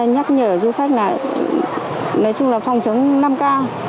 nhắc nhở du khách là nói chung là phòng chống năm k